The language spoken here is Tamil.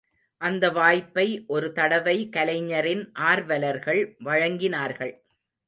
அந்த வாய்ப்பை ஒரு தடவை கலைஞரின் ஆர்வலர்கள் வழங்கினார்கள்.